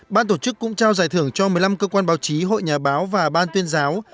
ban tổ chức cũng trao giải thưởng cho một mươi năm cơ quan báo chí hội nhà báo và ban tuyên giáo